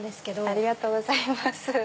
ありがとうございます。